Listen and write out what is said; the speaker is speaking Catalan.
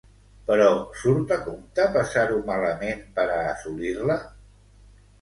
Però surt a compte passar-ho malament per a assolir-la?